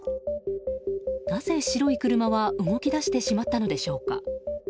なぜ、白い車は動き出してしまったのでしょうか。